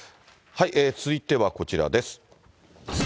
続いてはこちらです。